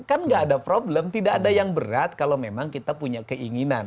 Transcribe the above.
kan nggak ada problem tidak ada yang berat kalau memang kita punya keinginan